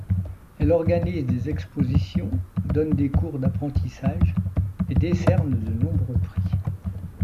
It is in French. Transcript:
Elle organise des expositions, donne des cours d'apprentissage et décerne de nombreux prix.